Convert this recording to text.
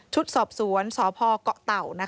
สอบสวนสพเกาะเต่า